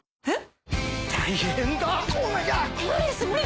えっ？